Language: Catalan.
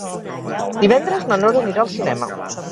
Divendres na Nora anirà al cinema.